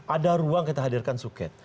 ada ruang kita hadirkan suket